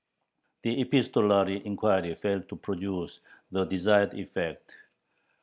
The epistolary inquiry failed to produce the "desired effect."